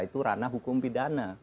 itu ranah hukum pidana